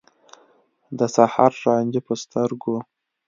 د سحر رانجه په سترګو